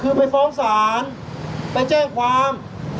คือไปฟ้องศาลไปแจ้งความ